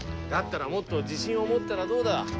だったらもっと自信を持ったらどうだ？